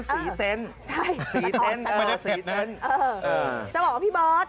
สีเซ็นต์ใช่เดี๋ยวว่าพี่เบิร์ด